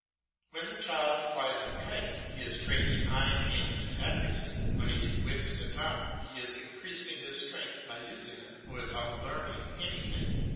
When the child flies a kite he is training eye and hand to accuracy; when he whips a top, he is increasing his strength by using it, but without learning anything.